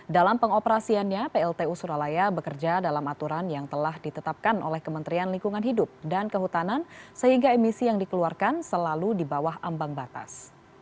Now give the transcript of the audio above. dalam pengoperasiannya pltu suralaya bekerja dalam aturan yang telah ditetapkan oleh kementerian lingkungan hidup dan kehutanan sehingga emisi yang dikeluarkan selalu di bawah ambang batas